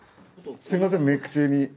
すいませんメイク中に。